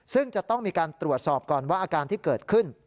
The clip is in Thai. ซึ่งจะต้องมีการตรวจสอบก่อนว่าอาการที่เกิดขึ้น